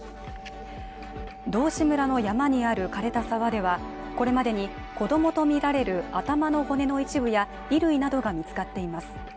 道志村の山にある枯れた沢では、これまでに子供とみられる頭の骨の一部や衣類などが見つかっています。